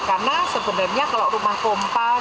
karena sebenarnya kalau rumah pompa